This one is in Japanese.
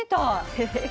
ヘヘヘッ。